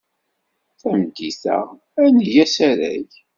Tameddit-a, ad d-neg asarag.